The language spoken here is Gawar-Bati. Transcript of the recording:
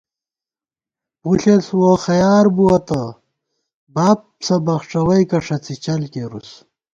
پݪېس ووخیار بُوَہ تہ بابسہ بخڄَوَئیکہ ݭڅی چل کېرُوس